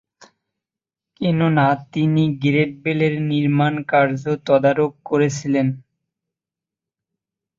কেননা, তিনি গ্রেট বেলের নির্মাণ কার্য তদারক করেছিলেন।